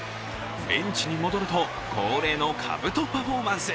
ベンチに戻ると、恒例のかぶとパフォーマンス。